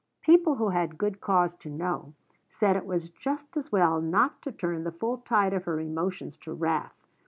People who had good cause to know, said it was just as well not to turn the full tide of her emotions to wrath.